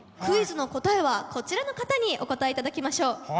クイズの答えはこちらの方にお答えいただきましょう。